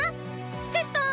チェストー！